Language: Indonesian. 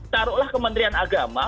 taruhlah kementerian agama